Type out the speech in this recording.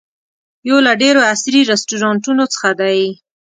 یو له ډېرو عصري رسټورانټونو څخه دی.